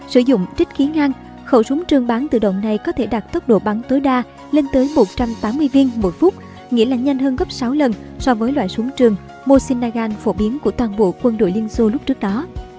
sử dụng trích khí ngang khẩu súng trường bán tự động này có thể đạt tốc độ bắn tối đa lên tới một trăm tám mươi viên mỗi phút nghĩa là nhanh hơn gấp sáu lần so với loại súng trường mosin nagan phổ biến của toàn bộ quân đội liên xô lúc trước đó